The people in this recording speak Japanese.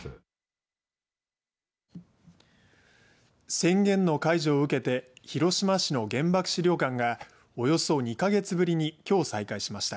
宣言の解除を受けて広島市の原爆資料館がおよそ２か月ぶりにきょう再開しました。